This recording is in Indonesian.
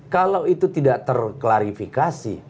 kalau itu tidak terklarifikasi